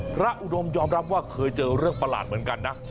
อุดมยอมรับว่าเคยเจอเรื่องประหลาดเหมือนกันนะ